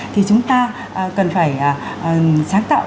thì chúng ta cần phải sáng tạo